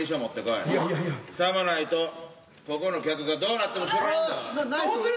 さもないとここの客がどうなっても知らんぞ。